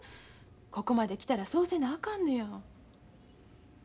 ここまで来たらそうせなあかんのや。